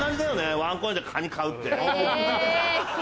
ワンコインでカニ買うって。